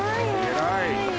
偉い！